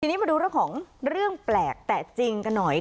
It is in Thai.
ทีนี้มาดูเรื่องของเรื่องแปลกแต่จริงกันหน่อย